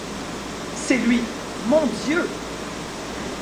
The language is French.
C'est lui, mon Dieu!